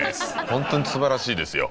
本当にすばらしいですよ。